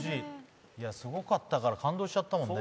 すごかったから、感動しちゃったもんね。